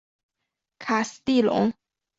卡斯蒂隆。